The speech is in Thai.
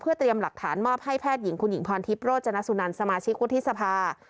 เตรียมหลักฐานมอบให้แพทย์หญิงคุณหญิงพรทิพย์โรจนสุนันสมาชิกวุฒิสภา